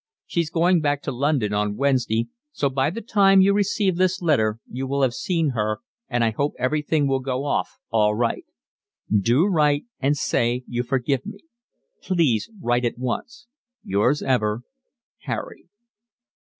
She's going back to London on Wednesday, so by the time you receive this letter you will have seen her and I hope everything will go off all right. Do write and say you forgive me. Please write at once. Yours ever, Harry.